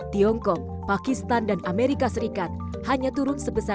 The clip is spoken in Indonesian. tiongkok pakistan dan amerika serikat hanya turun sebesar tiga persen pada dua ribu lima belas